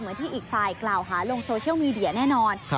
ที่อีกฝ่ายกล่าวหาลงโซเชียลมีเดียแน่นอน